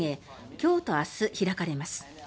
今日と明日、開かれます。